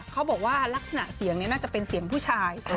เขาบอกว่าลักษณะเสียงนี้น่าจะเป็นเสียงผู้ชาย